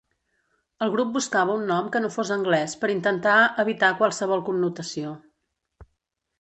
El grup buscava un nom que no fos anglès per intentar evitar qualsevol connotació.